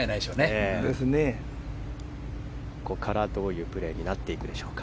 ここからどういう勝負になっていくでしょうか。